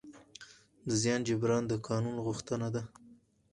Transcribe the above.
د زیان جبران د قانون غوښتنه ده.